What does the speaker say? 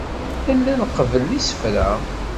Nella nqebbel isefka.